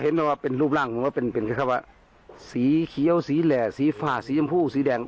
เห็นแปลว่าเป็นรูปร่างมันเป็นสีเขียวสีแหล่สีฝาสีจำพู่สีแดง